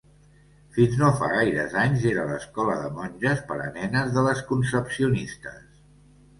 Fins no fa gaires anys era l'escola de monges per a nenes de les concepcionistes.